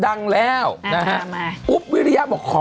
ดื่มน้ำก่อนสักนิดใช่ไหมคะคุณพี่